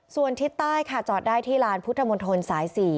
ส่วนทิศใต้ค่ะจอดได้ที่ลานพุทธมนตรสาย๔